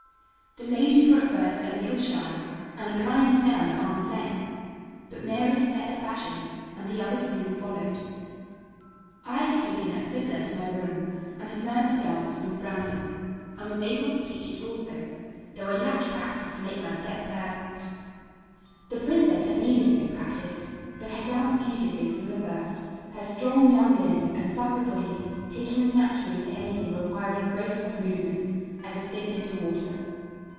The ladies were at first a little shy and inclined to stand at arm's length, but Mary had set the fashion and the others soon followed. I had taken a fiddler to my room and had learned the dance from Brandon; and was able to teach it also, though I lacked practice to make my step perfect. The princess had needed no practice, but had danced beautifully from the first, her strong young limbs and supple body taking as naturally to anything requiring grace of movement as a cygnet to water.